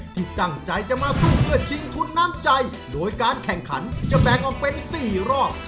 ที่ตั้งใจจะมาสู้เพื่อชิงทุนน้ำใจโดยการแข่งขันจะแบ่งออกเป็น๔รอบ